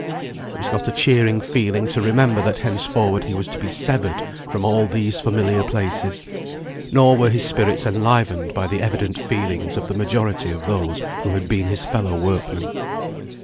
It was not a cheering feeling to remember that henceforward he was to be severed from all these familiar places; nor were his spirits enlivened by the evident feelings of the majority of those who had been his fellow workmen.